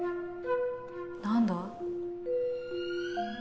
何だ？